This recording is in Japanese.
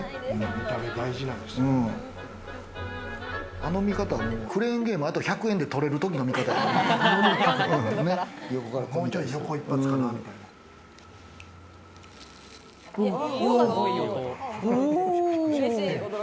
あの見方はクレーンゲームであと１００円で取れる時の見方です。